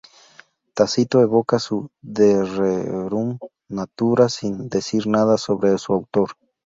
Tácito evoca su "De rerum natura" sin decir nada sobre su autor.